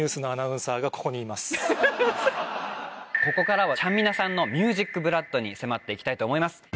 ここからはちゃんみなさんのＭＵＳＩＣＢＬＯＯＤに迫って行きたいと思います。